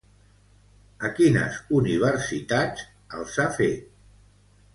A quines universitats els ha fet?